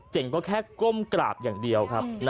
ก็แค่ก้มกราบอย่างเดียวครับ